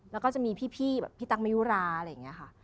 แล้วจะมีพี่พี่ตังไม่ยุราอะไรอย่างงี้ค่ะ